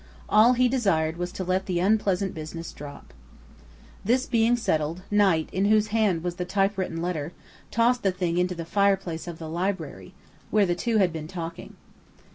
All he desired was to let the unpleasant business drop. This being settled, Knight, in whose hand was the typewritten letter, tossed the thing into the fireplace of the library, where the two had been talking.